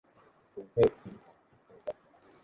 กรุงเทพทิ้งห่างทุกจังหวัด